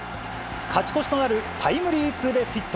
勝ち越しとなるタイムリーツーベースヒット。